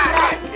hidup pak roy